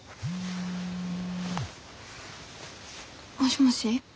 もしもし。